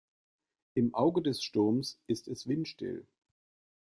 Im Auge des Sturms ist es windstill.